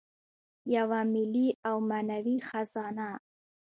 یوه ملي او معنوي خزانه.